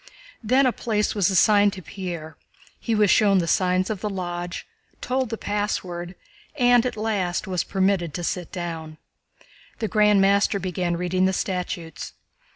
Then a place was assigned to Pierre, he was shown the signs of the Lodge, told the password, and at last was permitted to sit down. The Grand Master began reading the statutes.